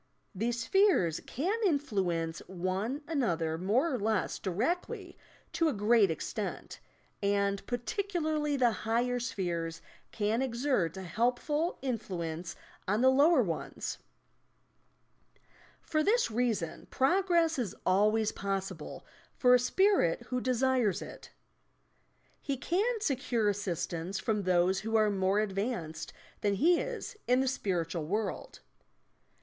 These spheres can influence one another more or less directly to a great extent, and particularly the higher spheres can exert a helpful in fluence on the lower ones. For this reason progress is always possible for a Spirit who desires it. He can secure assistance from those who are more advanced than he is in the spiritual world.